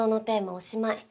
おしまい。